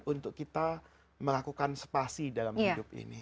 untuk kita melakukan spasi dalam hidup ini